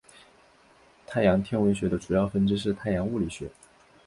太阳天文学的主要分支是太阳物理学。